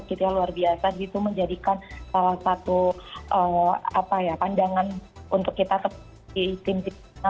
itu luar biasa itu menjadikan salah satu pandangan untuk kita di tim tim